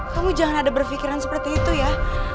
kamu jangan ada berpikiran seperti itu ya